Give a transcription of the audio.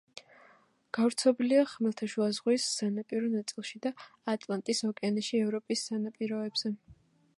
გავრცობილია ხმელთაშუა ზღვის სანაპირო ნაწილში და ატლანტის ოკეანეში ევროპის სანაპიროებზე.